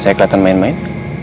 saya kelihatan main main